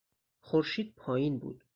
خورشید پایین بود.